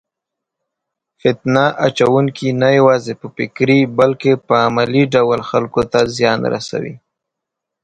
فتنه اچونکي نه یوازې په فکري بلکې په عملي ډول خلکو ته زیان رسوي.